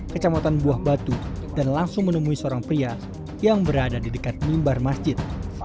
kecamatan buah batu dan langsung menemui seorang pria yang berada di dekat mimbar masjid